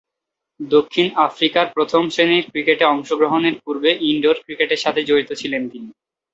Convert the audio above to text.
দক্ষিণ আফ্রিকার প্রথম-শ্রেণীর ক্রিকেটে অংশগ্রহণের পূর্বে ইনডোর ক্রিকেটের সাথে জড়িত ছিলেন তিনি।